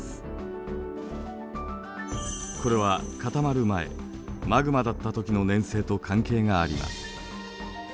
これは固まる前マグマだったときの粘性と関係があります。